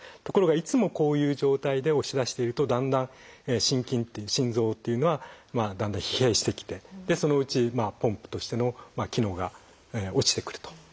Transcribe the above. ところがいつもこういう状態で押し出しているとだんだん心筋って心臓っていうのはだんだん疲弊してきてでそのうちポンプとしての機能が落ちてくると。